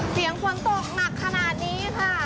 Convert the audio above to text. เสียงฝนตกหนักขนาดนี้ค่ะ